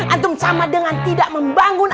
antum sama dengan tidak membangun